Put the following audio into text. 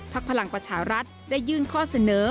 พลังประชารัฐได้ยื่นข้อเสนอ